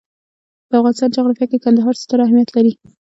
د افغانستان جغرافیه کې کندهار ستر اهمیت لري.